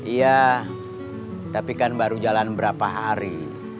iya tapi kan baru jalan berapa hari